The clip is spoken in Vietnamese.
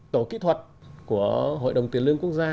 tổ kỹ thuật của hội đồng tiền lương quốc gia